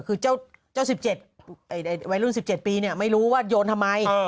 คือเจ้า๑๗วัยรุ่น๑๗ปีไม่รู้ว่าโยนทำไม